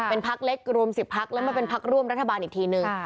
เป็นพักเล็กรวม๑๐พักแล้วมาเป็นพักร่วมรัฐบาลอีกทีนึง